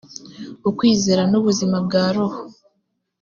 ukwizera n ubuzima bwa roho